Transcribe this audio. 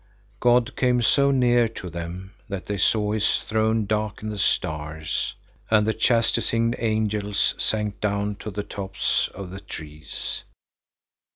God came so near to them that they saw his throne darken the stars, and the chastising angels sank down to the tops of the trees.